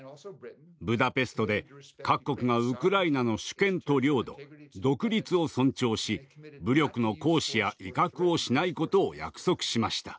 ブダペストで各国がウクライナの主権と領土独立を尊重し武力の行使や威嚇をしないことを約束しました。